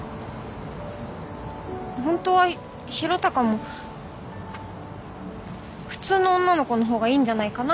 ホントは宏嵩も普通の女の子の方がいいんじゃないかな。